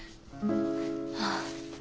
ああ